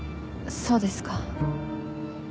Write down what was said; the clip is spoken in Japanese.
そうですか。